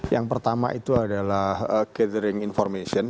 yang pertama itu adalah gathering information